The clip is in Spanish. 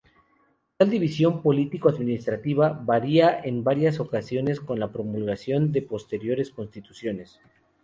Tal división político-adminsitrativa variaría en varias ocasiones con la promulgación de posteriores Constituciones.